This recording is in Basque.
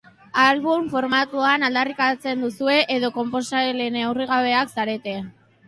Album formatua aldarrikatzen duzue edo konposatzaile neurrigabeak zarete?